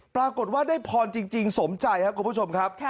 ปรากฏว่าได้พรจริงสมใจครับคุณผู้ชมครับ